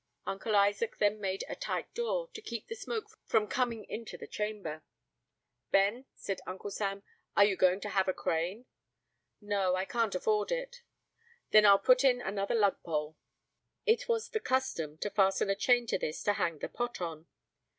Uncle Isaac then made a tight door, to keep the smoke from coming into the chamber. "Ben," said Uncle Sam, "are you going to have a crane?" "No; I can't afford it." "Then I'll put in another lug pole." It was the custom to fasten a chain to this to hang the pot on.